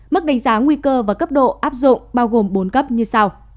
mức đánh giá nguy cơ và cấp độ áp dụng bao gồm bốn cấp như sau